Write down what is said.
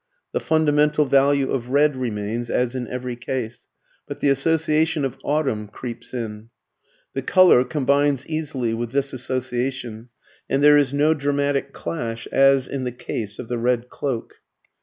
The fundamental value of red remains, as in every case. But the association of "autumn" creeps in. The colour combines easily with this association, and there is no dramatic clash as in the case of the red cloak.